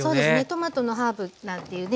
トマトのハーブなんていうね